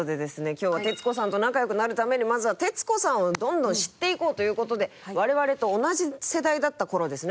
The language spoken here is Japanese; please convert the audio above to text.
今日は徹子さんと仲良くなるためにまずは徹子さんをどんどん知っていこうという事で我々と同じ世代だった頃ですね